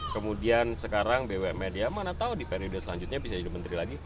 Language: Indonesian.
kemudian sekarang bumn ya mana tahu di periode selanjutnya bisa jadi menteri lagi